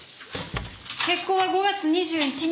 決行は５月２１日。